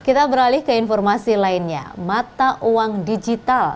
kita beralih ke informasi lainnya mata uang digital